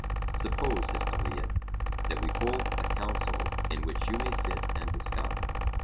Suppose, said Callias, that we hold a council in which you may sit and discuss.